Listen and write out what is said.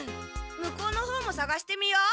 向こうのほうもさがしてみよう。